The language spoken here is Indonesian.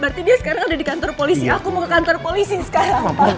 berarti dia sekarang ada di kantor polisi aku mau ke kantor polisi sekarang